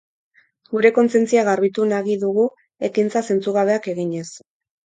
Gure kontzientzia garbitu nagi dugu ekintza zentzugabeak eginez.